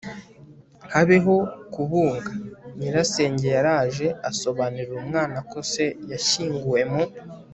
habeho kubunga Nyirasenge yaraje asobanurira umwana ko se yashyinguwe mu